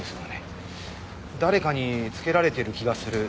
誰かにつけられている気がするとも。